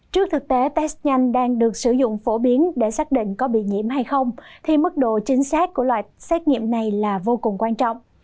trước thực tế test nhanh đang được sử dụng phổ biến để xác định có bị nhiễm hay không thì mức độ chính xác của loại xét nghiệm này là vô cùng quan trọng